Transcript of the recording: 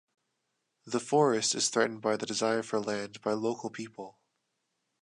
The forest is threatened by the desire for land by local people.